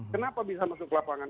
kenapa bisa masuk ke lapangan